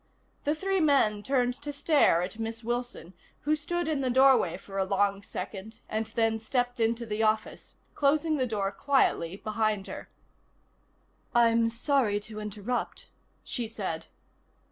The three men turned to stare at Miss Wilson, who stood in the doorway for a long second and then stepped into the office, closing the door quietly behind her. "I'm sorry to interrupt," she said.